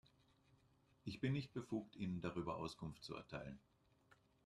Ich bin nicht befugt, Ihnen darüber Auskunft zu erteilen.